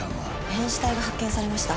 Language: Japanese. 「変死体が発見されました」